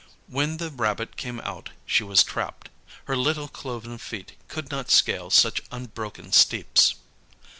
When the rabbit came out she was trapped; her little cloven feet could not scale such unbroken steeps.